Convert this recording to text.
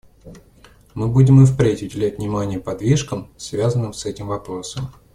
Мы будем и впредь уделять внимание подвижкам, связанным с этим вопросом.